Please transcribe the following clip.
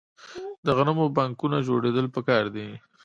د غنمو بانکونه جوړیدل پکار دي.